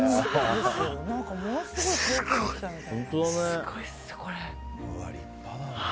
すごいですね、これ。